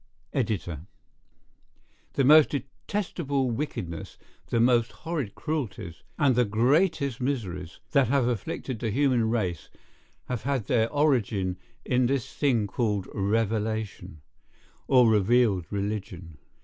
—Editor.] The most detestable wickedness, the most horrid cruelties, and the greatest miseries, that have afflicted the human race have had their origin in this thing called revelation, or revealed religion.